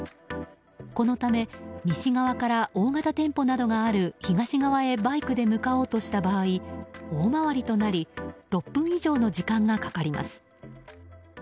このため西側から大型店舗などがある東側へバイクで向かおうとした場合大回りとなり６分以上の時間がかかります。